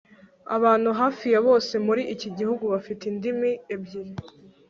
Abantu hafi ya bose muri iki gihugu bafite indimi ebyiri